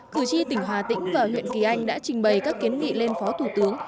cử tri tỉnh hà tĩnh và huyện kỳ anh đã trình bày các kiến nghị lên phó thủ tướng